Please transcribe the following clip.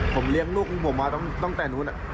ผมเลี้ยงลูกของผมมาตั้งแต่นู้น